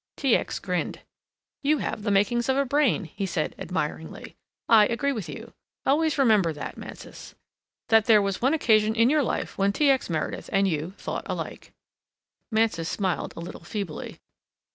T. X. grinned. "You have the makings of a brain," he said admiringly. "I agree with you. Always remember that, Mansus. That there was one occasion in your life when T. X. Meredith and you thought alike." Mansus smiled a little feebly.